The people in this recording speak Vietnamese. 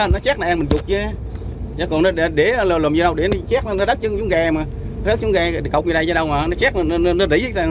nó chét này mình đục chứ còn đế nó làm gì đâu đế nó chét nó đắt chung chung ghe mà đắt chung ghe cộng vô đây chứ đâu mà nó chét nó đỉ